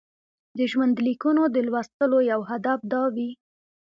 د ژوندلیکونو د لوستلو یو هدف دا وي.